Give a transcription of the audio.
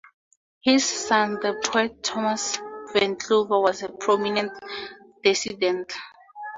His son, the poet Tomas Venclova, was a prominent dissident.